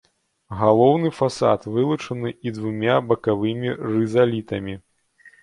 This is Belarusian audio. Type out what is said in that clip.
Галоўны фасад вылучаны і двумя бакавымі рызалітамі.